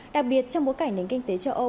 đặc biệt trong bối cảnh nền kinh tế châu âu